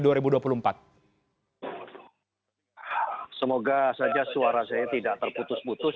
semoga saja suara saya tidak terputus putus